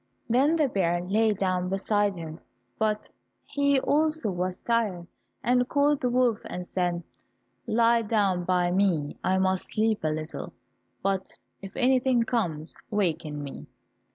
Then the bear lay down beside him, but he also was tired, and called the wolf and said, "Lie down by me, I must sleep a little, but if anything comes, waken me."